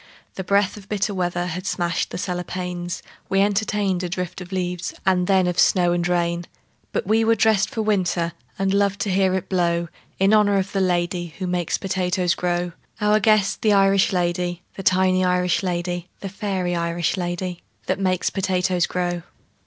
The breath of bitter weather Had smashed the cellar pane: We entertained a drift of leaves And then of snow and rain. But we were dressed for winter, And loved to hear it blow In honor of the lady Who makes potatoes grow Our guest, the Irish lady, The tiny Irish lady, The fairy Irish lady That makes potatoes grow.